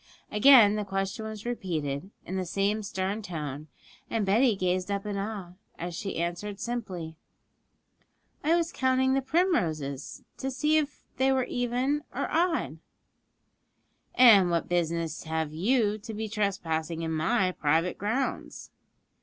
Again the question was repeated, in the same stern tone, and Betty gazed up in awe, as she answered simply, 'I was counting the primroses, to see if they were even or odd.' 'And what business have you to be trespassing in my private grounds?'